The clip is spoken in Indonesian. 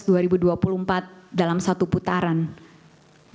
pertanyaan keempat yang akan pemohon jawab adalah apa dampak suara paslon ii